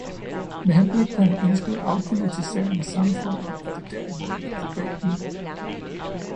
Med henblik på en ønsket afpolitisering af samfundet er det derimod et probat middel.